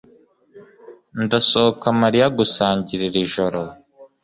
Ndasohoka Mariya gusangira iri joro